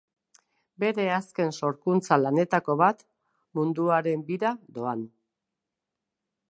Bere azken sorkuntza lanetako bat Munduaren bira, doan!